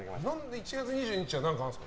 １月２２日は何かあるんですか？